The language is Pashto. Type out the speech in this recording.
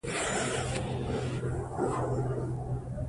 لیک کې د افغانستان ملي حاکمیت یاد شوی و.